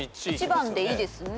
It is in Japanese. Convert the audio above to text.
１番でいいですね。